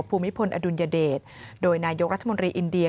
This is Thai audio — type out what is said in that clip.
ภูมิพลอดุลยเดชโดยนายกรัฐมนตรีอินเดีย